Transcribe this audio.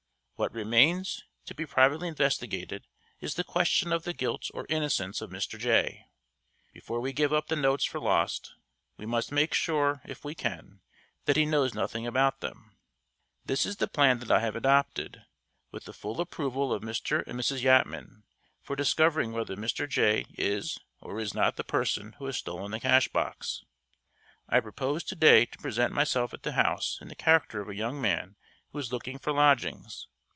What remains to be privately investigated is the question of the guilt or innocence of Mr. Jay. Before we give up the notes for lost, we must make sure, if we can, that he knows nothing about them. This is the plan that I have adopted, with the full approval of Mr. and Mrs. Yatman, for discovering whether Mr. Jay is or is not the person who has stolen the cash box: I propose to day to present myself at the house in the character of a young man who is looking for lodgings.